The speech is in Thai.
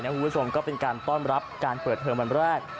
คุณผู้ชมก็เป็นการต้อนรับการเปิดเทอมวันแรก